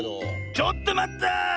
ちょっとまった！